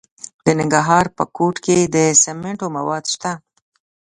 د ننګرهار په کوټ کې د سمنټو مواد شته.